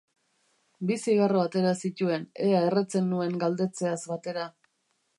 Bi zigarro atera zituen, ea erretzen nuen galdetzeaz batera.